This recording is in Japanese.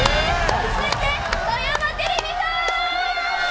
続いて富山テレビさん。